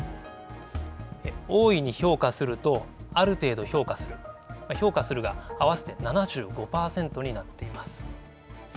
大いに評価すると、ある程度評価する、評価するが、合わせて７５％になっています。